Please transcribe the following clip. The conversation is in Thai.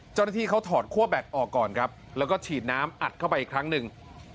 เจ้าหน้าที่เขาถอดคั่วแบ็คออกก่อนครับแล้วก็ฉีดน้ำอัดเข้าไปอีกครั้งหนึ่ง